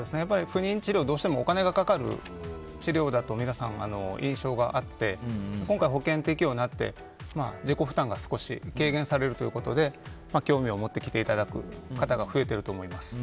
不妊治療、どうしてもお金がかかる治療だと皆さん、印象があって今回、保険適用になって自己負担が少し軽減されるということで興味を持ってきていただく方が増えていると思います。